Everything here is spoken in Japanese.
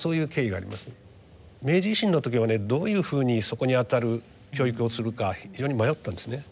明治維新の時はねどういうふうにそこにあたる教育をするか非常に迷ったんですね。